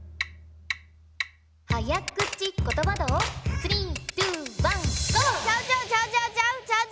早口ことば道スリーツーワンーゴー！